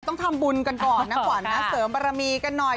ต้องทำบุญกันก่อนนะขวัญนะเสริมบารมีกันหน่อย